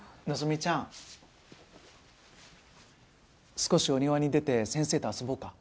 少しお庭に出て先生と遊ぼうか。